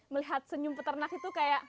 melihat senyum peternak itu kayak